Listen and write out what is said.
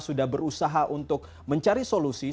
sudah berusaha untuk mencari solusi